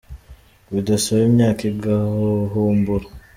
Bidasaba imyaka agahumburi